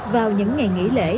vào những ngày nghỉ lễ